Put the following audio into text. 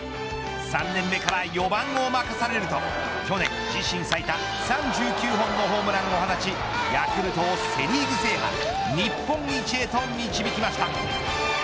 ３年目から４番を任されると去年自身最多３９本のホームランを放ちヤクルトをセ・リーグ制覇日本一へと導きました。